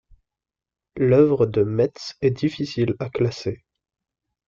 L'œuvre de Metz est difficile à classer.